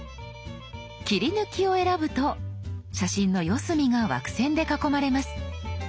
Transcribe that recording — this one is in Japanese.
「切り抜き」を選ぶと写真の四隅が枠線で囲まれます。